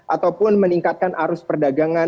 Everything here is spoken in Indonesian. ataupun meningkatkan arus perdagangan